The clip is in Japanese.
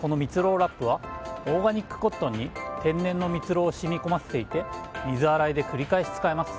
ラップはオーガニックコットンに天然のみつろうを染み込ませていて水洗いで繰り返し使えます。